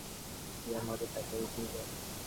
মহেন্দ্র একা নির্জন ছাদের উপর গিয়া মাদুর পাতিয়া শুইল।